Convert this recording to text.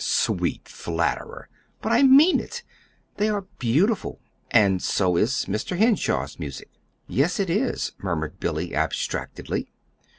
"Sweet flatterer!" "But I mean it. They are beautiful; and so is Mr. Henshaw's music." "Yes, it is," murmured Billy, abstractedly.